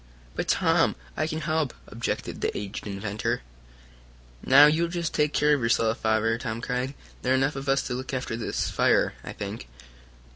"But, Tom, I can help," objected the aged inventor. "Now, you just take care of yourself, Father!" Tom cried. "There are enough of us to look after this fire, I think."